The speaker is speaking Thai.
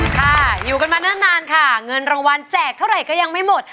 ค่ะอยู่กันมาเนิ่นนานค่ะเงินรางวัลแจกเท่าไหร่ก็ยังไม่หมด